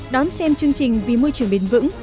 đón xem chương trình vì môi trường bền vững